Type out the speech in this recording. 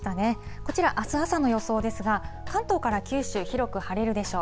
こちら、あす朝の予想ですが、関東から九州、広く晴れるでしょう。